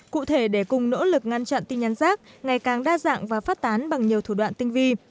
cụ thể để cùng nỗ lực ngăn chặn tin nhắn rác ngày càng đa dạng và phát tán bằng nhiều thủ đoạn tinh vi